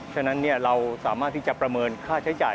ฉะนั้นเราสามารถที่จะประเมินค่าใช้จ่าย